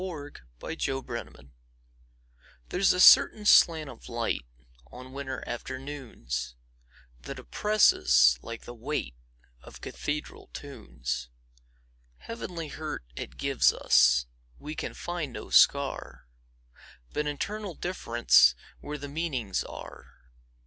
Part Two: Nature LXXXII THERE'S a certain slant of light, On winter afternoons, That oppresses, like the weightOf cathedral tunes. Heavenly hurt it gives us; We can find no scar, But internal differenceWhere the meanings are.